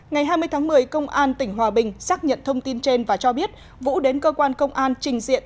ngày hai mươi tháng một mươi công an tỉnh hòa bình xác nhận thông tin trên và cho biết vũ đến cơ quan công an trình diện